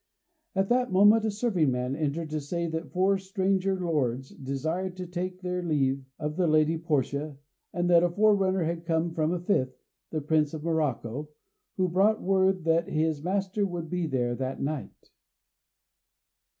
At that moment a serving man entered to say that four stranger lords desired to take their leave of the lady Portia, and that a forerunner had come from a fifth, the Prince of Morocco, who brought word that his master would be there that night.